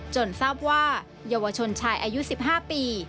ทราบว่าเยาวชนชายอายุ๑๕ปี